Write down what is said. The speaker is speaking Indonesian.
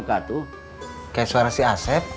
kayak suara si asep